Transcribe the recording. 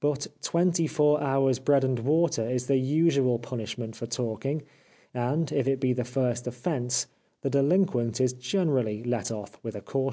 But twenty four hours' bread and water is the usual punishment for talking, and, if it be the first offence, the de linquent is generally let off with a caution.